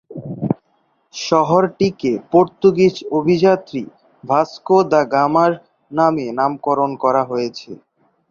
শহরটিকে Portuguese অভিযাত্রী Vasco da গামা-র নামে নামকরণ করা হয়েছে।